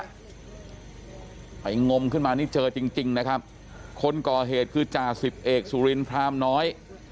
ไปงมขึ้นมานี่เจอจริงจริงนะครับคนก่อเหตุคือจ่าสิบเอกสุรินพรามน้อย